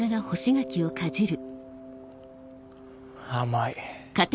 甘い。